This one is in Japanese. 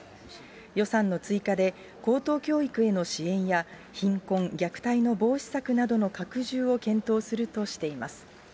予算の追加で高等教育への支援や、貧困・虐待の防止策などの拡充を検討するとしています。